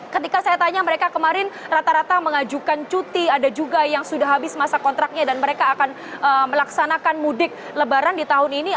ketika saya tanya mereka kemarin rata rata mengajukan cuti ada juga yang sudah habis masa kontraknya dan mereka akan melaksanakan mudik lebaran di tahun ini